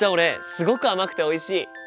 すごく甘くておいしい！